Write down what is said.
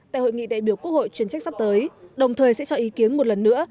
tại hội nghị đại biểu quốc hội chuyên trách sắp tới đồng thời sẽ cho ý kiến một lần nữa